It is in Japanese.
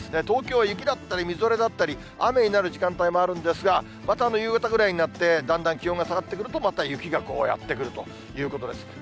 東京は雪だったり、みぞれだったり、雨になる時間帯もあるんですが、また夕方ぐらいになって、だんだん気温が下がってくると、また雪がやって来るということです。